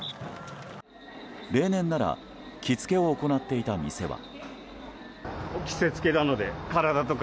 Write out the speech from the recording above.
例年なら着付けを行っていた店は。